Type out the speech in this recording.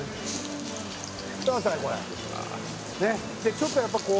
ちょっとやっぱこう。